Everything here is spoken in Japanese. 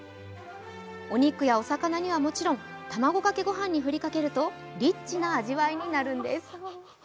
お肉はもちろん卵かけご飯に振りかけるとリッチな味わいになるんです。